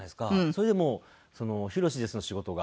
それでもう「ヒロシです」の仕事が。